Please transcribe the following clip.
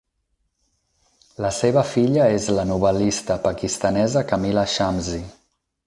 La seva filla és la novel·lista pakistanesa Kamila Shamsie.